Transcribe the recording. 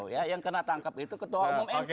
yang kena tangkap itu ketua umum nt